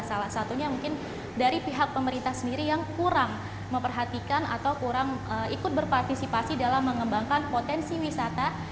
salah satunya mungkin dari pihak pemerintah sendiri yang kurang memperhatikan atau kurang ikut berpartisipasi dalam mengembangkan potensi wisata